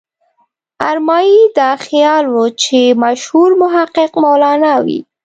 ارمایي دا خیال و چې مشهور محقق مولانا وي.